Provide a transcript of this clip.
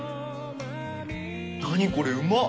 何これ、うまっ！